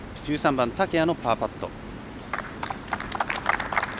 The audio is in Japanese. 番竹谷のパーパット。